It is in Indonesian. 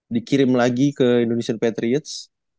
dikirim lagi ke indonesian patriots